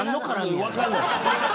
分かんない。